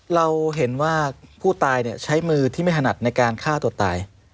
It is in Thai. เราเห็นว่าผู้ตายใช้มือที่ไม่ถนัดในการฆ่าตัวตาย